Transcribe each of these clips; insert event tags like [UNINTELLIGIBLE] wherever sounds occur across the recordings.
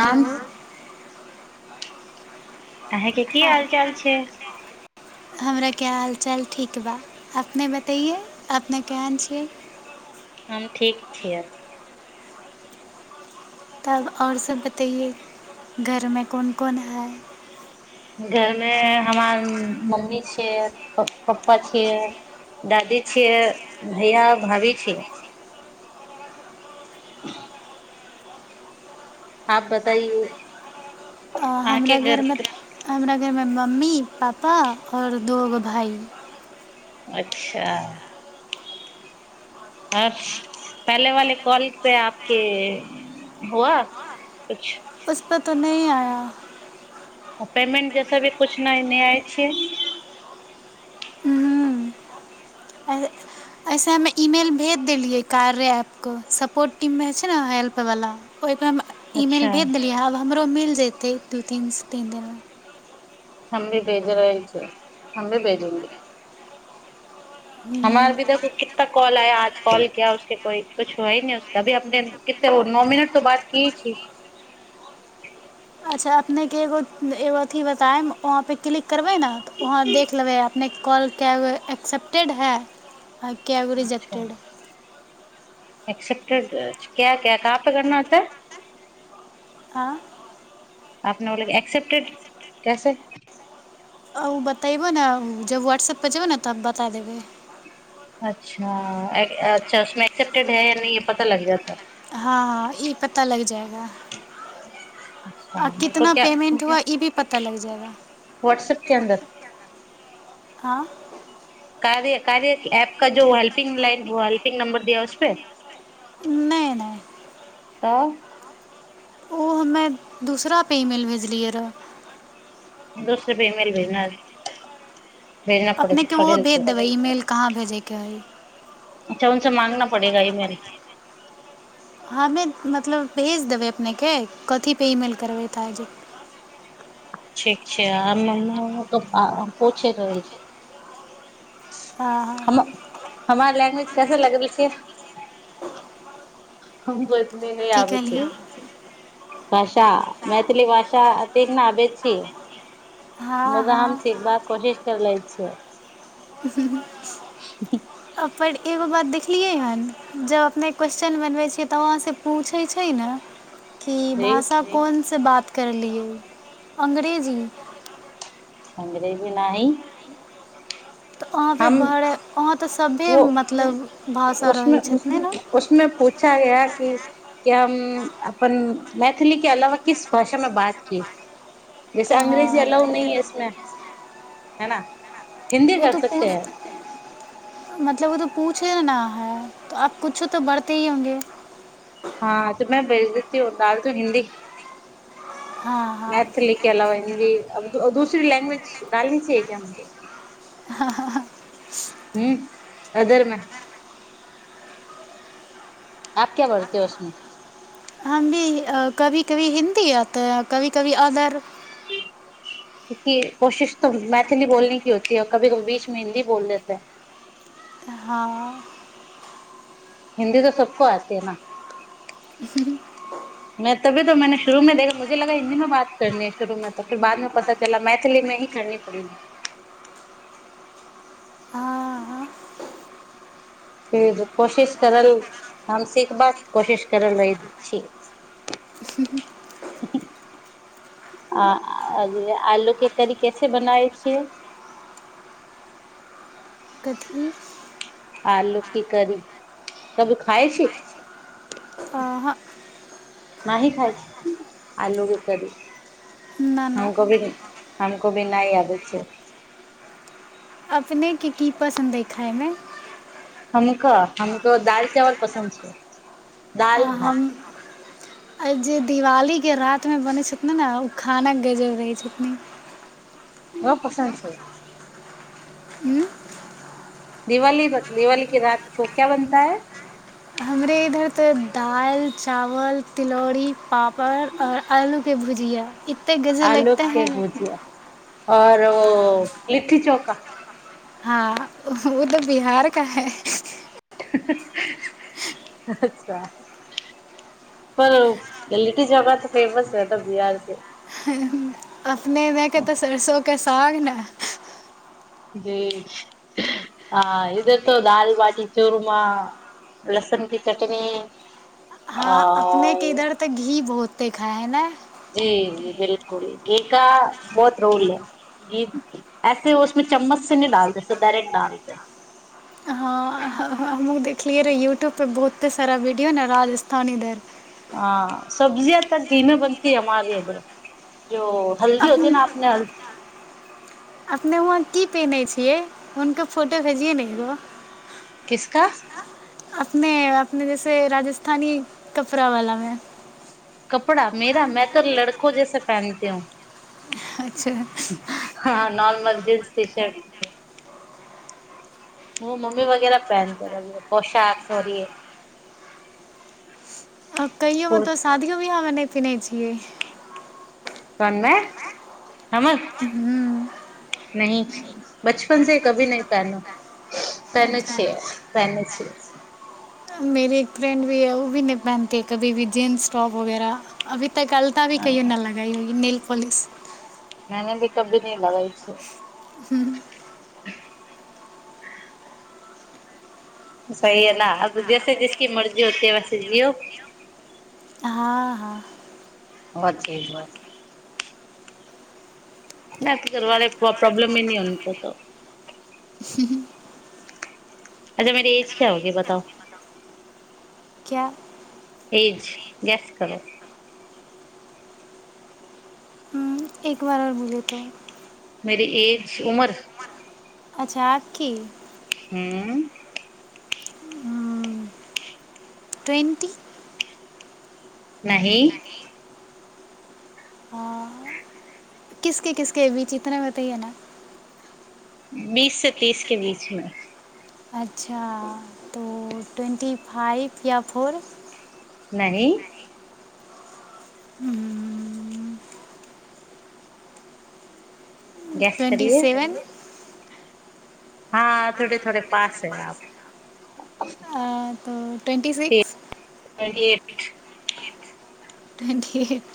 आम हेलो अहाँके की हाल चाल छै हमरा क्य हालचाल ठीक बा अपने बतैयए अपने केहन छियै हम ठीक छियै तब आओर सभ बतैयै घरमे कोन कोन हइ घरमे हमार मम्मी छियै पप्पा छियै दादी छियै भैया भाभी छियै [UNINTELLIGIBLE] आप बताइए हाँ हमारा घर मे हमरा घरमे मम्मी पापा आओर दोगो भाइ अच्छा अ पहले वाले कॉल पे आपके हुआ कछ उस परर तो नहि आया पेमेंट जैस भी कुछ नहि नहि आय छियै हम्म, ऐ- ऐसे ह इमेल भेज देलियै कार्य एप के सपोर्ट टीम मे छै ने हेल्प वाला ओहिप ई अच्छा मेल भेज देलियै आब हम ककरो मिल जेतै दू तीन तीन दिनमे हम भी भेज रहे छै हम भी भेजेंगे दिनमे हमार भी देखो कितना कॉल आया आज कॉल किया उसके कोइ कुछ ह ही न उसभी अपने किते नओ मिनट त बात क छीी अच्छा अपनेके एगो एगो अथी बतायब वहाँपे क्लिक करबै ने तऽ वहाँ देख लेबै अपनेके कॉल क एक्सेप्टेड है कैब रिज्टेड एकसेप्टेड क्या क्य कहाँ पे करना होता आँ अपने ओल एक्सेप्टेड कैसे आ ओ बतैबह ने जब व्हाट्सऐपपर जेबह ने तब बता देबै अच्छा अच्छा उमे एक्सप्टेड है या न य पता लग जाताै आ अच्छा आ मेरे को कितना क्या पेमेंट हुआ ई भी पता लग जायगा व्हाट्सएप के अंदर हँ कार्य कार्या ऐप का जो हेल्पिंग लाइन हेल्पिंग नंबर दिया उसपे नहि नहि तऽ ओ हमे दूसरा पर ईमेल भेजलियै रहऽ दोस रुपए मेल भेजना भेजना पड़े अपने के ओहो पड़े से भेज देबै ईमेल कहाँ भेजेके हइ अच्छा उन स मांगना पड़ेगा ईमेल। हमे मतलब भेज देबै अपनेके कथी पे ईमेल करबै त आ जेत छी [UNINTELLIGIBLE] पोछे रहय छैय। आ हा हमार लैंग्वेज कैसे लगबय छैय? देने की अबय छैय। कहलियै भाषा मैथिली भाषा अतेक न आबै छी हँ मुदा हँ हम सिखबाक कोशिश कर लै छियै। [UNINTELLIGIBLE] हु हु पर एगो बात देखलियै हन जब अपने क्वेशचन बनबै छियै तऽ वहाँसँ पूछै छैय ने। की जी भाषा कौन से बात करलियै अंग्रेजी अंग्रेजी नाही तऽ वहाँपे बरै वहाँ तऽ सभे वो मतलब भाषा उसमे रहै छथिन ने उसमे पूछा गया की की हम अपन मैथिली के अलावा किस भाषा मे बात किये जैसे अंग्रेजी हँ अलाउ नही है इसमे, है न? हिन्दी ओ कर तऽ सकते है। पूछ मतलब ओ त पूछे न है आप कुछो तऽ बरते ही होंगे। हँ त मै भेज देती हूं डालती हूं हिंदी। हँ हँ के अलावा हिन्दी अ दूसरी लैंग्वेज डालनी चाहिए क्या मुझे? हूँ अदर में आप क्या बढ़ते हो उसमे। हम कभी कभी हिन्दी आत कभी कभी अदर। कि कोशिश तऽ मैथिली बोलने की होती है कभी कभ बीचमे हिन्दी बोल देत है। हँ हिन्दी त सबको आती है न तभी त मैने शुरू मे देखा मुझे लगा हिन्दी मे बात करनी है शुरू मे तो फिर बादमे पता चला मैथिली मे ही करनी परेगी। हँ हँ कोशिश करल हम सिख बात कोशिश करल रहि छी। आ आलू के करी कैसे बनावे छियै? कथी आलू की करी तभी खाइ छी? अहाँ नहि खााय छी, आलू के करी। ना ना हम कभी नहीं हमको भी नहि अबै छैय। अपनेके की पसन्द अइ खाइमे हमक हमको दालि चावल पसन्द छैय। दाल भात आ जे दिवालीके रातिमे बनै छथिन ने ओ खाना गजब रहै छथिन न पसन्द छै दिवाली दिवाली क रात को क्या बनता है हमरे इधर ते दालि चावल तिलौरी पापड़ और आलू के भुजिया य गजबे लगते है आओर ओ लिट्टी चोखा हँ ओ तऽ बिहार का है ह ह अच्छा पर लिट्टी चोखा तऽ फेमस रहता है बिहार से अपने मे के तऽ सरसों क साग ने जी ह इधर त दाल बाटी चूरमा लसन की चटनी अपने के आ इधर तऽ घी बहुत दे खाह हय ने जी जी बिलकुल घी का बहुत रोल है घी ऐसे उसमे चम्मच से नहि डालते से डायरेकट डालते हमहहुँ देखलियै रहे यूट्यूब परे बहुते सारा वीडियो ने राजस्थान इधर आं सब्जिय त घी मे बनती है जो हल्दी अपन होती न अपने हलदी अपने वहाँ की पेन्है छियै हुनकर फोटो भेजिै नेबौ का अपने अपने जैसे राजस्थानी कपड़ा वालामे कपड़ा मेरा में तऽ लड़को जैसे पहनती हू अच्छा ह नॉर्मल ड्रेस टिस्ट ओ मम्मी वगैरह पहन दे रह पोशाक थोड़ आ कहियौ उ त साादियो विवाह नहि प नहिै छियै कौन मैं हुँ नहीं बचपन से कभी नहि पहनो पहने अच्छा छियै पहने छियै मेरी एक फ्रेंड भी है ओी नहि पहनती है कभी भी जींस टॉप वगैरह अभी तऽ अलता भी कहियो न लगा पुलिस नने भी क भी न लगै छै हम्म, सही अल अ जसे जसकी मर्जी होतेव सेे जियो हाँ हाँ ब ची [INAUDIBLE] नहि त घरवे प्रॉब्लम मे न उो त अच्छा मेरी एऐज क्या होगै बताउ क्या ईज गैस करो हम्म, एक बार और बोलिए तो मेरी एज उमर अच्छा आप की हुँ ट्वेन्टी नहि किसके किसके बीच इतना बताईए ने बीस से तीस के बीचमे अच्छा तो ट्वेन्टी फाइव या फोर नानी गैस ट्वेन्टी सेवेन हँ थोटे थोड़े पास है आप ट्वेन्टी सिक्स एक त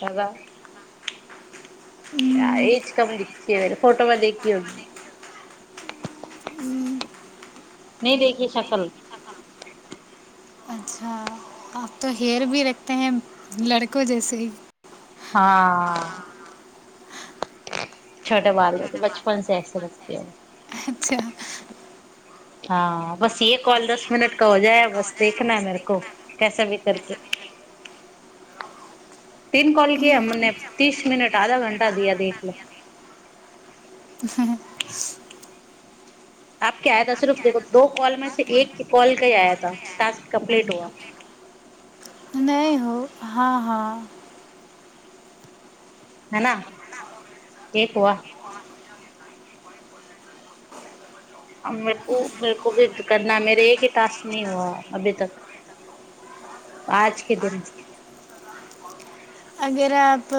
हाजा एज कम द भेल फोटो मे देखी हो नहि देखी शकल अब त हेयर भी रखे हैं लड़को जैसेी हँ छोटे बाल त बचपन से ऐसे लगत ह अच्छा हँ बस ये कॉल दस मिनट का हो जाय बस देखना है मेर को कैसा भी करके तीन कॉल कि हमने तीस मिनट आधा घंटा दिया देख ले आपके आया सर्फ देखो दो कॉल में से एक कॉल क ही आया टास्क कम्प्लीट हुआ नहीं हो हाँ हाँ है न एक व क बकु भी करना मेर एक ही टास्क नी हुआ अभी तक आजके दिन अगर आप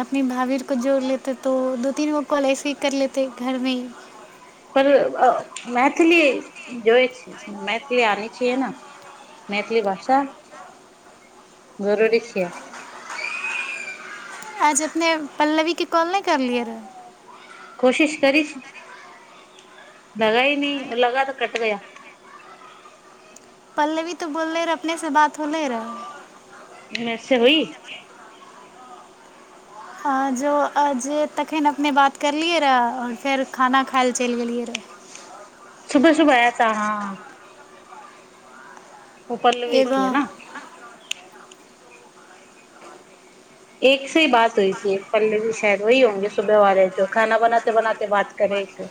अपने भाभीर को जोड़ लेते तो दू तीन गो कॉल ऐसे ही कर लेते घरमे ही पर मैथिली जइ छै मैथिली आनी छियै ने मैथिली भाषा जरूरी छीय आज अपने पल्लवी के कॉल नहि करलियए रहे कोशिश करी छी लगा ह न लगा तऽ कट ग पल्ले भी तो बोलले रहे अपने से बात होले रह मेर से होइ आ जो जे तखन अपने बात करलियै रहए आओर फेर खाना खाय लए चलि गेलियै रहए सुबह सुबह आयता हँ ओ पल्लवी छी एगो ह ने एक से ही बात होई ती एक प्ले जी शायद वही हंगे सुबह वे जो खाना बनाते बनाे बात करे छै